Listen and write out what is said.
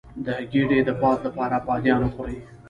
د ګیډې د باد لپاره بادیان وخورئ